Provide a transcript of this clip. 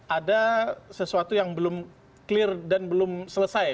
ada sesuatu yang belum clear dan belum selesai